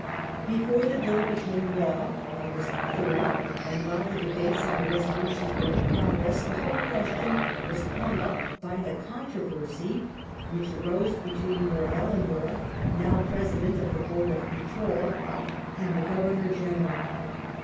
Before the Bill became law (Aug. 3rd), and while the debates Lord on the resolutions were in progress, the whole question was hung PJ'^"" . up by the controversy which arose between Lord Ellenborough, and Lord now President of the Board of Control, and the Governor General.